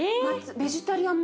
ベジタリアン祭。